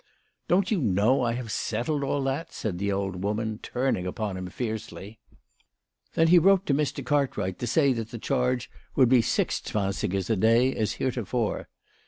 "Don't you know I have settled all that?" said the old woman, turning upon him fiercely. Then he wrote to Mr. Cartwright to say that the charge would be six zwansigers a day, as heretofore.